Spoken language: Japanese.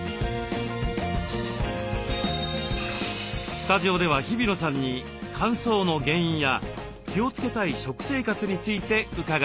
スタジオでは日比野さんに乾燥の原因や気をつけたい食生活について伺います。